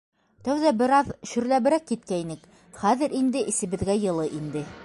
Тәүҙә бер аҙ шөрләберәк киткәйнек, хәҙер инде эсебеҙгә йылы инде.